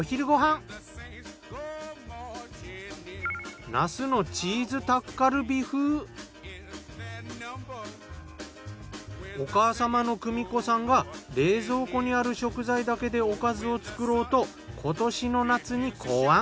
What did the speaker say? こちらがお母様の久美子さんが冷蔵庫にある食材だけでおかずを作ろうと今年の夏に考案。